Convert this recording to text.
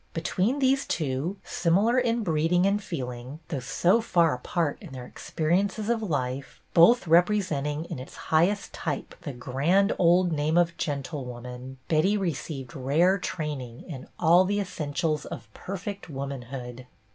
Between these two, similar in breeding and feeling, though so far apart in their ex perience^ of life, both representing in its highest type the " grand old name " of gen tlewoman, Betty received rare training in all the essentials of perfect womanhood.